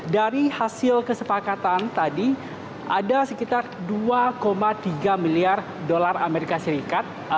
dari hasil kesepakatan tadi ada sekitar dua tiga miliar dolar amerika serikat